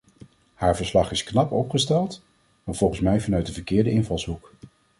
Haar verslag is knap opgesteld, maar volgens mij vanuit een verkeerde invalshoek.